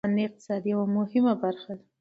اوښ د افغانستان د اقتصاد یوه مهمه برخه ده.